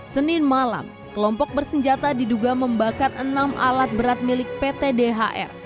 senin malam kelompok bersenjata diduga membakar enam alat berat milik pt dhr